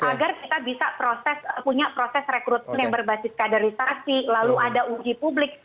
agar kita bisa proses punya proses rekrutmen yang berbasis kaderisasi lalu ada uji publik